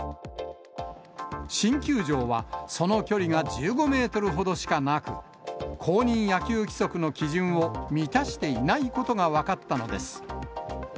新球場は、その距離が１５メートルほどしかなく、公認野球規則の基準を満たしていないことが分かったのです。